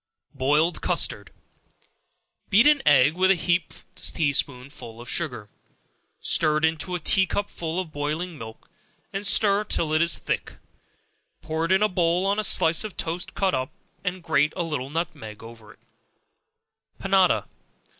_ Boiled Custard. Beat an egg with a heaped tea spoonful of sugar; stir it into a tea cupful of boiling milk, and stir till it is thick; pour it in a bowl on a slice of toast cut up, and grate a little nutmeg over. Panada.